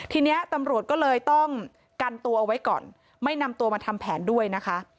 ทีนี้ตำรวจก็เลยต้องกันตัวเอาไว้ก่อนไม่นำตัวมาทำแผนด้วยนะคะ